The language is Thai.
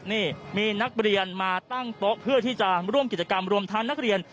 นี่มีนักเรียนมาตั้งโต๊ะเพื่อที่จะร่วมกิจกรรมรวมทั้งนักเรียน